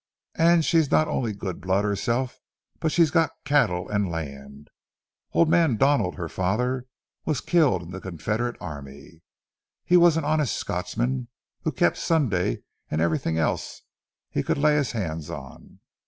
And she's not only good blood herself, but she's got cattle and land. Old man Donald, her father, was killed in the Confederate army. He was an honest Scotchman who kept Sunday and everything else he could lay his hands on.